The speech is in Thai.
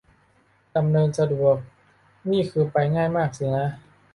ดำเนินสะดวก นี่คือไปมาง่ายสินะ